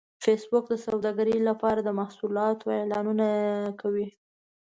فېسبوک د سوداګرۍ لپاره د محصولاتو اعلانونه کوي